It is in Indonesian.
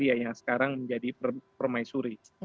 ya yang sekarang menjadi permaisuri